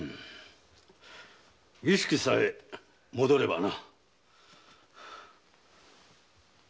意識さえ戻ればな。